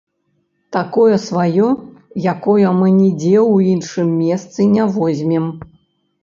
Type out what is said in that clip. Такое сваё, якое мы нідзе ў іншым месцы не возьмем.